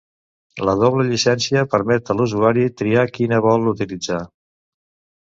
La doble llicència permet a l'usuari triar quina vol utilitzar.